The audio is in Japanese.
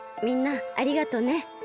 みんなありがとね。